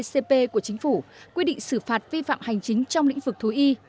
cp của chính phủ quy định xử phạt vi phạm hành chính trong lĩnh vực thú y